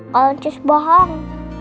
kalau njus bohong